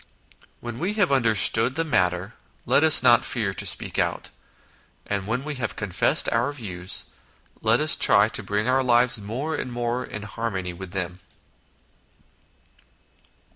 When we have understood the matter, let us not fear to speak out ; and when we have confessed our views, let us try to bring our lives more and more in harmony with them.